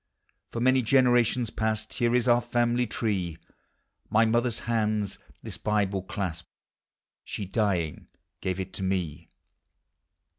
For many generations past Here is our family tree; My mother's hands this Bible clasped, She, dying, gave it me.